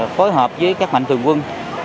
phối hợp với các mạnh thường quân